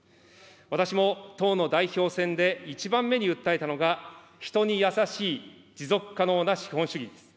私も党の代表選で一番目に訴えたのが、人にやさしい持続可能な資本主義です。